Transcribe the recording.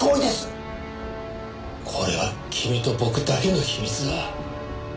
これは君と僕だけの秘密だ。